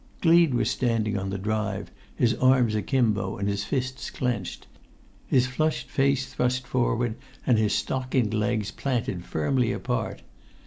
Gleed was standing on the drive, his arms akimbo and his fists clenched, his flushed face thrust forward and his stockinged legs planted firmly apart.